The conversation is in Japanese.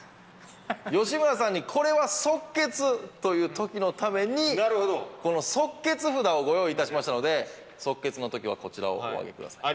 吉村さんにこれは即決という時のためにこの即決札をご用意いたしましたので即決の時はこちらをお上げください。